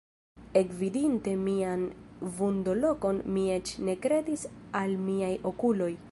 Ekvidinte mian vundo-lokon mi eĉ ne kredis al miaj okuloj.